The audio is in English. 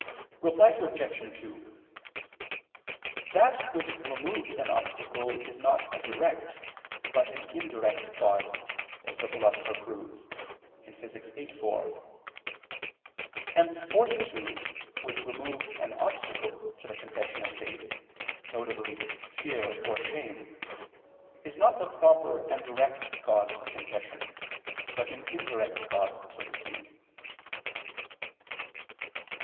Reply Obj. 2: That which removes an obstacle is not a direct, but an indirect, cause, as the Philosopher proves (Phys. viii, 4). Hence fortitude which removes an obstacle to the confession of faith, viz. fear or shame, is not the proper and direct cause of confession, but an indirect cause so to speak.